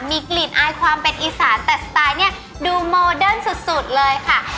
มีกลิ่นอายความเป็นอีสานแต่สไตล์เนี่ยดูโมเดิร์นสุดเลยค่ะ